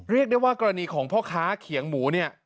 เรียกได้ว่ากรณีของพ่อค้าเขียงหมูเนี่ย